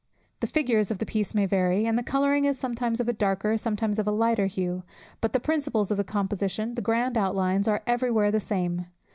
The figures of the piece may vary, and the colouring is sometimes of a darker, sometimes of a lighter hue; but the principles of the composition, the grand outlines, are every where the same.